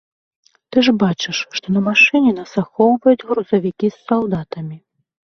Ты ж бачыш, што на машыне нас ахоўваюць грузавікі з салдатамі.